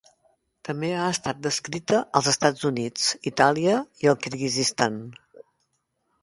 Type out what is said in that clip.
També ha estat descrita als Estats Units, Itàlia i el Kirguizistan.